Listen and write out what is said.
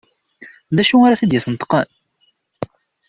D acu ara t-id-yesneṭqen?